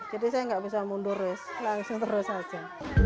jadi saya enggak bisa mundur langsung terus saja